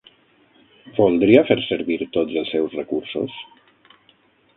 Voldria fer servir tots els seus recursos?